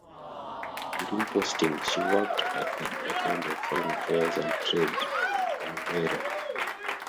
Between postings she worked at the Department of Foreign Affairs and Trade in Canberra.